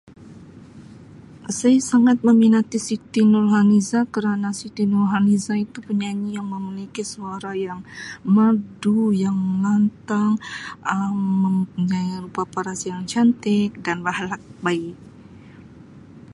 Saya sangat meminati Siti Nurhaliza kerana Siti Nurhaliza itu penyanyi yang memiliki suara yang merdu yang mantap Um mempunyai rupa paras yang cantik dan [unintelligible]